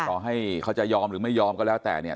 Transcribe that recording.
ต่อให้เขาจะยอมหรือไม่ยอมก็แล้วแต่เนี่ย